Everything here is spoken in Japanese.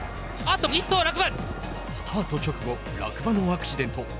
スタート直後落馬のアクシデント。